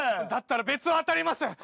だったら別を当たります